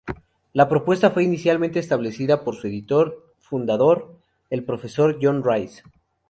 La propuesta fue inicialmente establecida por su editor fundador, el Profesor John Rice.